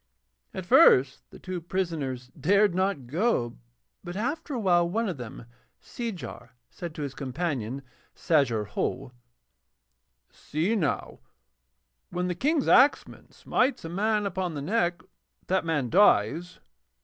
At first the two prisoners dared not go, but after a while one of them, Seejar, said to his companion, Sajar Ho: 'See now, when the King's axeman smites a man upon the neck that man dies.'